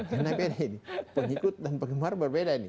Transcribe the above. karena beda ini pengikut dan penggemar berbeda ini